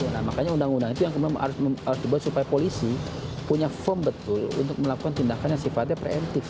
nah makanya undang undang itu yang harus dibuat supaya polisi punya form betul untuk melakukan tindakan yang sifatnya preemptif